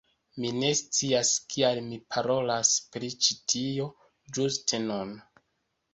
Mi ne scias kial mi parolas pri ĉi tio ĝuste nun